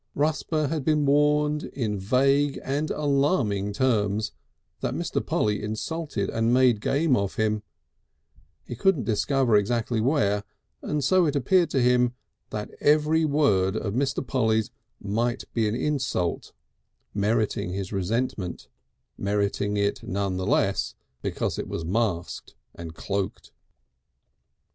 Rusper had been warned in vague and alarming terms that Mr. Polly insulted and made game of him; he couldn't discover exactly where; and so it appeared to him now that every word of Mr. Polly's might be an insult meriting his resentment, meriting it none the less because it was masked and cloaked.